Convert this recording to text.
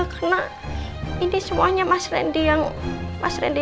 karena ini semuanya mas rendi